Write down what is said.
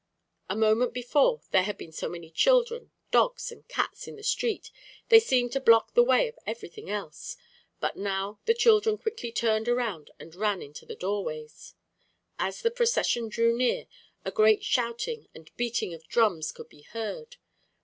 A moment before there had been so many children, dogs, and cats in the street they seemed to block the way of everything else; but now the children quickly turned aside and ran into the doorways. As the procession drew near, a great shouting and beating of drums could be heard.